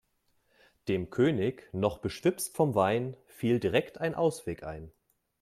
Dem König, noch beschwipst vom Wein, fiel direkt ein Ausweg ein.